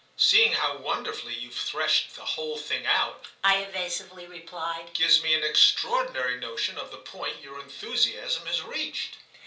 "Seeing how wonderfully you've threshed the whole thing out," I evasively replied, "gives me an extraordinary notion of the point your enthusiasm has reached."